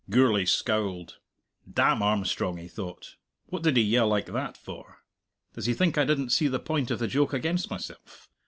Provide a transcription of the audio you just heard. Gourlay scowled. "Damn Armstrong!" he thought, "what did he yell like that for? Does he think I didn't see the point of the joke against myself?